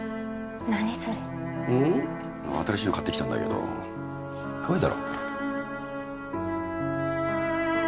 新しいの買ってきたんだけどかわいいだろ